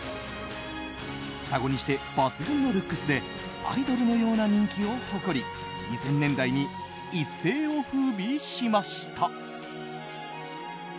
双子にして抜群のルックスでアイドルのような人気を誇り２０００年代に一世を風靡しました。